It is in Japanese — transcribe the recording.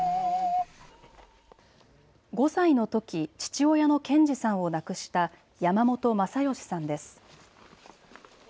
５歳のとき父親の謙二さんを亡くした山本昌由さんです。